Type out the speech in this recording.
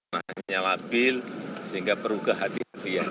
tanahnya yang labil sehingga perubahan hati hati